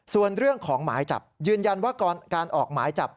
ส่วนเรื่องของหมายจับยืนยันว่าการออกหมายจับ